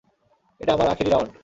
এটা আমার আখেরি রাউন্ড!